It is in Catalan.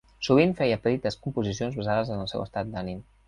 Sovint feia petites composicions basades en el seu estat d'ànim.